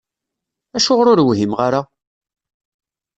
Acuɣer ur whimeɣ ara?